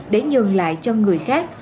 để nhường lại cho người khác